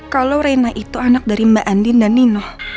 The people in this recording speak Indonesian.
kalau reina itu anak dari mbak andin dan nino